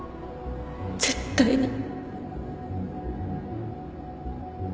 絶対に